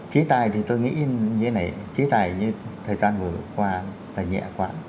chế tài thì tôi nghĩ như thế này chế tài như thời gian vừa qua là nhẹ quá